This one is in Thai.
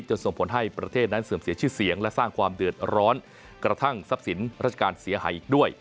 ส่งผลให้ประเทศนั้นเสื่อมเสียชื่อเสียงและสร้างความเดือดร้อนกระทั่งทรัพย์สินราชการเสียหายอีกด้วย